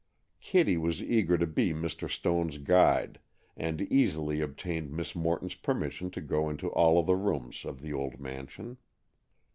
Kitty was eager to be Mr. Stone's guide, and easily obtained Miss Morton's permission to go into all the rooms of the old mansion.